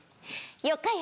「よかよ」。